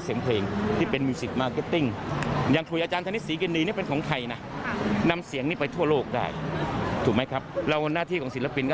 เอาไปฟังเสียงสักเล็กน้อยค่ะ